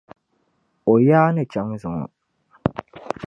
O yaa ni chaŋ zuŋo.